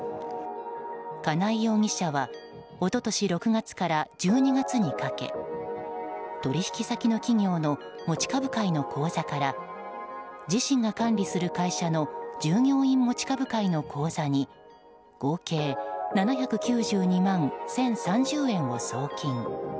金井容疑者は一昨年６月から１２月にかけ取引先の企業の持ち株会の口座から自身が管理する会社の従業員持ち株会の口座に合計７９２万１０３０円を送金。